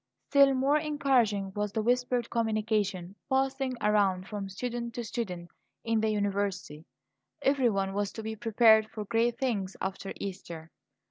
Still more encouraging was the whispered communication passing around from student to student in the university; everyone was to be prepared for great things after Easter.